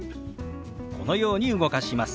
このように動かします。